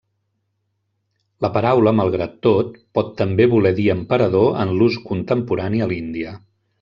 La paraula, malgrat tot, pot també voler dir emperador en l'ús contemporani a l'Índia.